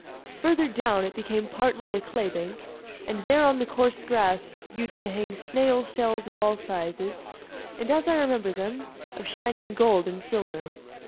Further down it became partly a clay bank, and there on the coarse grass used to hang snail shells of all sizes, and, as I remember them, of shining gold and silver.